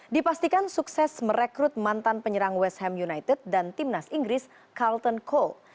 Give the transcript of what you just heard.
dipastikan sukses merekrut mantan penyerang west ham united dan timnas inggris carlton cole